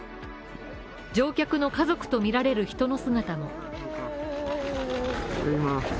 乗客の家族とみられる人の姿も。